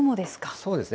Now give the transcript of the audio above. そうですね。